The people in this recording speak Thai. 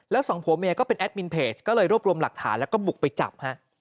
แล้วสองผัวเมียก็เป็นแอดมินเพจก็เลยรวบรวมหลักฐานแล้วก็บุกไปจับฮะ